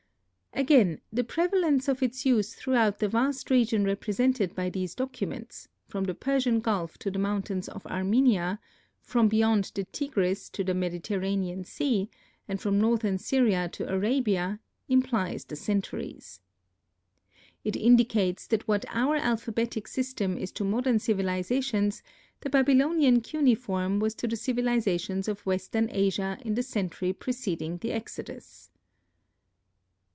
Again, the prevalence of its use throughout the vast region represented by these documents, from the Persian Gulf to the mountains of Armenia, from beyond the Tigris to the Mediterranean Sea and from northern Syria to Arabia, implies the centuries. It indicates that what our alphabetic system is to modern civilizations the Babylonian cuneiform was to the civilizations of western Asia in the century preceding the Exodus.